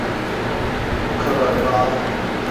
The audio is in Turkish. Bu kadarı da az mı?